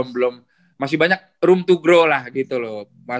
masih banyak room to grow lah gitu loh